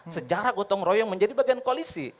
sejarah gotong royong menjadi bagian koalisi